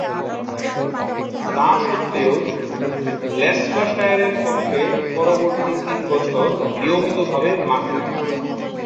তাস্বত্ত্বেও ল্যাঙ্কাশায়ারের পক্ষে পরবর্তী তিন বছর নিয়মিতভাবে মাঠে নামেন।